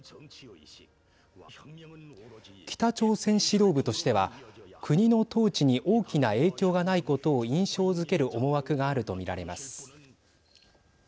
北朝鮮指導部としては国の統治に大きな影響がないことを印象づける思惑があると見られます。